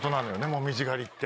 紅葉狩りって。